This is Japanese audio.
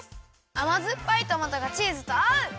あまずっぱいトマトがチーズとあう！